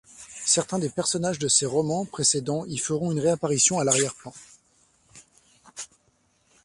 Certains des personnages de ses romans précédents y feront une réapparition à l'arrière-plan.